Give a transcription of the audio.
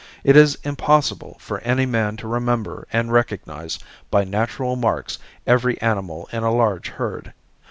It is impossible for any man to remember and recognize by natural marks every animal in a large herd.